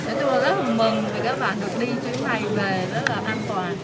nói chung là rất là mừng vì các bạn được đi chuyến bay về rất là an toàn